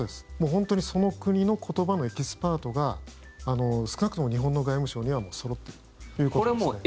本当にその国の言葉のエキスパートが少なくとも日本の外務省にはそろっているということですね。